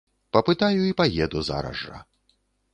Папытаю і паеду зараз жа.